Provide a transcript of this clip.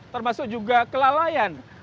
termasuk juga kelalaian